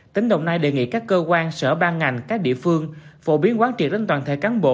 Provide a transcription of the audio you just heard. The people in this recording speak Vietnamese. tỉnh đồng nai đề nghị các cơ quan sở ban ngành các địa phương phổ biến quán triệt đến toàn thể cán bộ